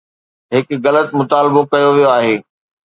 هڪ غلط مطالبو ڪيو ويو آهي